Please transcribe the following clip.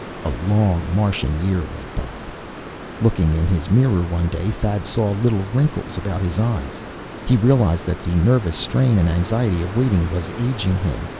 A long Martian year went by. Looking in his mirror one day, Thad saw little wrinkles about his eyes. He realized that the nervous strain and anxiety of waiting was aging him.